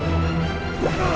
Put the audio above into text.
tapi kenapa tidak berdoa